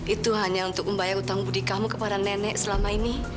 itu hanya untuk membayar utang budi kamu kepada nenek selama ini